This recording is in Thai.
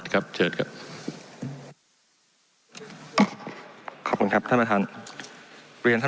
ขอบคุณครับท่านประธาน